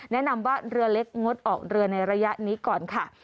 แนะนำว่าเรือเล็กงดออกเรือในระยะนี้ก่อนค่ะ